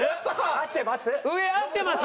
「合ってます」？